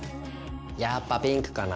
やっぱピンクかな。